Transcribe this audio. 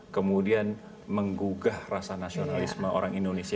kemudian menggugah rasa nasionalisme orang indonesia